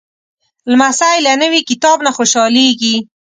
لمسی له نوي کتاب نه خوشحالېږي.